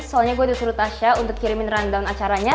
soalnya gue udah suruh tasya untuk kirimin rundown acaranya